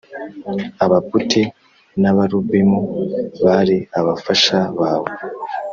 Abaputi n’Abalubimu bari abafasha bawe.